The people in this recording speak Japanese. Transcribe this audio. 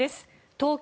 東京